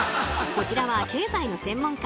こちらは経済の専門家